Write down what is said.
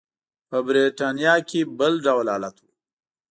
په برېټانیا کې بل ډول حالت و.